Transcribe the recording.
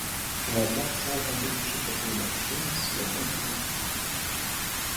Аднак цалкам выключыць такую магчымасць яны не могуць.